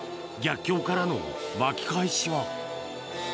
逆境からの巻き返しは。